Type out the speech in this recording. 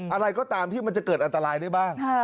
อะไรก็ตามที่มันจะเกิดอันตรายได้บ้าง